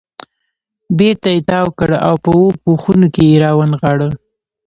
بېرته یې تاو کړ او په اوو پوښونو کې یې را ونغاړه.